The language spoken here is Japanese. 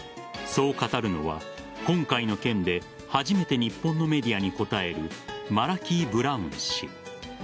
そう語るのは今回の件で初めて日本のメディアに答えるマラキー・ブラウン氏。